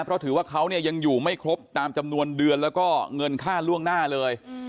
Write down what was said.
เพราะถือว่าเขาเนี่ยยังอยู่ไม่ครบตามจำนวนเดือนแล้วก็เงินค่าล่วงหน้าเลย